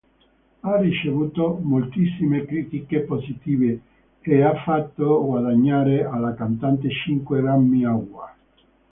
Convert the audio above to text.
Ha ricevuto moltissime critiche positive e ha fatto guadagnare alla cantante cinque Grammy Award.